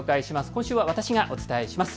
今週は私がお伝えします。